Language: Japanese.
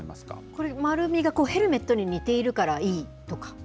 これ、丸みがヘルメットに似ているからいいとか？